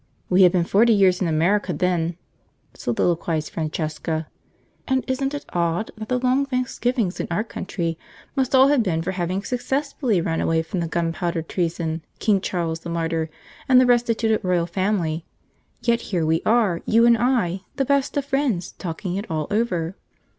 We had been forty years in America then," soliloquised Francesca; "and isn't it odd that the long thanksgivings in our country must all have been for having successfully run away from the Gunpowder Treason, King Charles the Martyr, and the Restituted Royal Family; yet here we are, you and I, the best of friends, talking it all over."